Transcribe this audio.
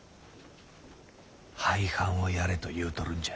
廃藩をやれと言うとるんじゃ。